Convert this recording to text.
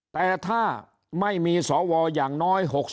แต่ถ้าไม่มีสวอย่างน้อย๖๒